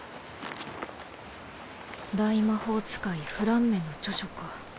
大魔法使いフランメの著書か。